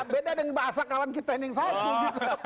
beda dengan bahasa kawan kita yang satu